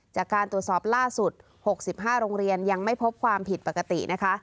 จากการตรวจสอบล่าสุด๖๕โรงเรียนยังไม่พบความผิดปกตินะคะ